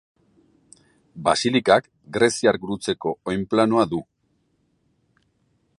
Basilikak greziar gurutzeko oinplanoa du.